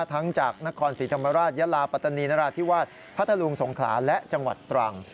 ทั้งจากนครศรีธรรมราชยาลาปัตตานีนราธิวาสพัทธลุงสงขลาและจังหวัดตรัง